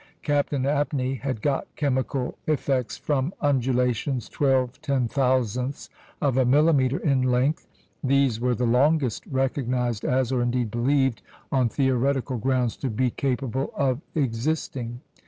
Captain Abney had got chemical effects from undulations twelve ten thousandths of a millimetre in length. These were the longest recognised as, or indeed believed, on theoretical grounds, to be capable of existing.